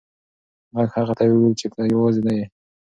غږ هغه ته وویل چې ته یوازې نه یې.